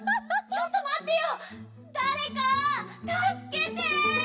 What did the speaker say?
ちょっとまってよ！